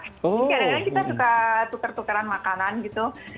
jadi kadang kadang kita suka tukar tukaran makanan gitu